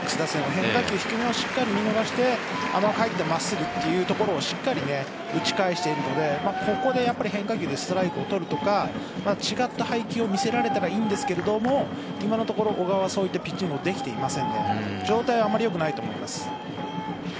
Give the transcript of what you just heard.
変化球、低めをしっかり見逃して甘く入った真っすぐというところをしっかり打ち返しているのでここで変化球でストライクを取るとか違った配球を見せられたらいいんですが今のところ小川はそういうピッチングをできていませんので状態はあまり良くないと思います。